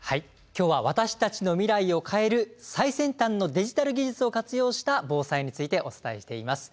今日は私たちの未来を変える最先端のデジタル技術を活用した防災についてお伝えしています。